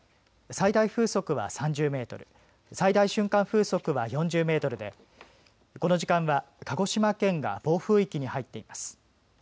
最大瞬間風速は４０メートルで、この時間は鹿児島県が暴風域に入っています。